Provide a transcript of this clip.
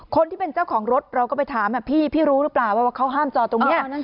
คนที่เป็นเจ้าของรถเราก็ไปถามพี่พี่รู้หรือเปล่าว่าเขาห้ามจอดตรงนี้